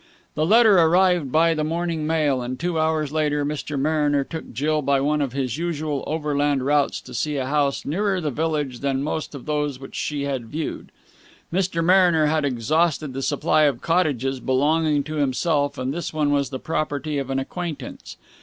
The letter arrived by the morning mail, and two hours later Mr. Mariner took Jill by one of his usual overland routes to see a house nearer the village than most of those which she had viewed. Mr. Mariner had exhausted the supply of cottages belonging to himself, and this one was the property of an acquaintance.